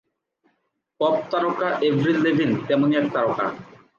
Pop তারকা Avril Lavigne তেমনই এক তারকা।